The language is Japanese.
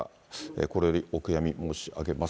心よりお悔やみ申し上げます。